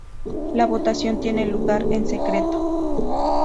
La votación tiene lugar en secreto.